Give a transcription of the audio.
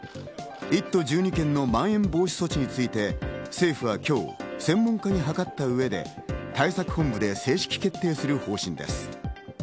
１都１２県のまん延防止措置について政府は今日、専門家に諮った上で対策本部で正式決定する方針です。